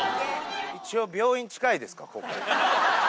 一応病院近いですか？